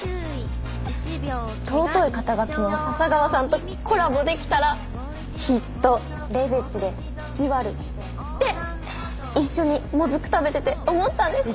尊い肩書の笹川さんとコラボできたらきっとレベチでじわるって一緒にもずく食べてて思ったんです。